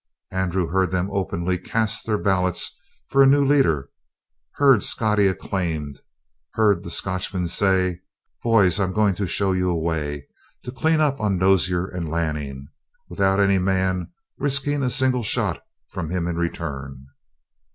And Andrew heard them openly cast their ballots for a new leader; heard Scottie acclaimed; heard the Scotchman say: "Boys, I'm going to show you a way to clean up on Dozier and Lanning, without any man risking a single shot from him in return."